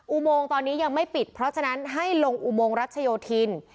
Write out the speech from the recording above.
อุโมงตอนนี้ยังไม่ปิดเพราะฉะนั้นให้ลงอุโมงรัชโยธิน